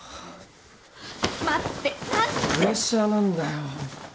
プレッシャーなんだよ。